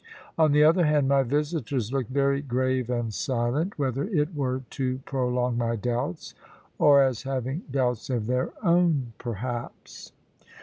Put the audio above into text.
On the other hand, my visitors looked very grave and silent; whether it were to prolong my doubts, or as having doubts of their own, perhaps.